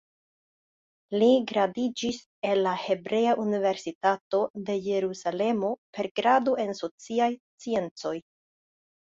Li gradiĝis el la Hebrea Universitato de Jerusalemo per grado en sociaj sciencoj.